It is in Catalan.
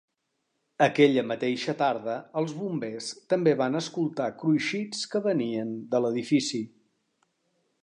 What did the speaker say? Aquella mateixa tarda els bombers també van escoltar cruixits que venien de l'edifici.